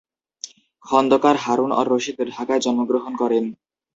খন্দকার হারুন-উর-রশিদ ঢাকায় জন্মগ্রহণ করেন।